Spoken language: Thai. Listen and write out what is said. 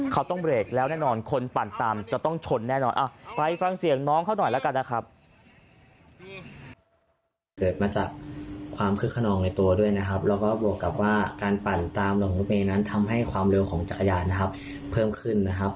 การปั่นตามรถเมย์นั้นทำให้ความเร็วของจักรยานนะครับเพิ่มขึ้นนะครับ